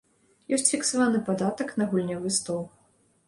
Ёсць фіксаваны падатак на гульнявы стол.